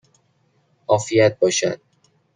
عافیت باشد!